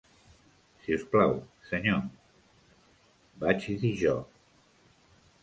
"Si us plau, senyor", vaig dir jo.